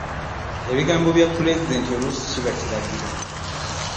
Ebigambo bya pulezidenti oluusi kiba kiragiro.